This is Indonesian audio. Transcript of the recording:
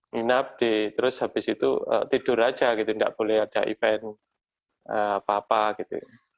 minap terus habis itu tidur aja gitu tidak boleh ada event